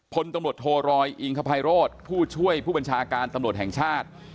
พลตำรวจโทรอยอิงคภัยโรธผู้ช่วยผู้บัญชาการตำรวจแห่งชาติ